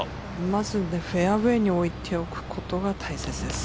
まず、フェアウェイに置いておくことが大切です。